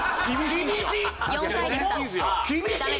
厳しい！